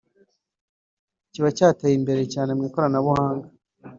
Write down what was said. kiba cyarateye imbere cyane mu ikoranabuhanga